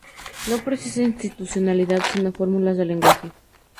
No precisa institucionalidad, sino fórmulas de lenguaje.